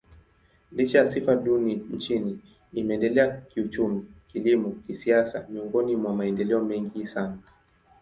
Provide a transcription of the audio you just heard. Licha ya sifa duni nchini, imeendelea kiuchumi, kilimo, kisiasa miongoni mwa maendeleo mengi sana.